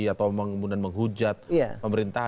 atau kemudian menghujat pemerintahan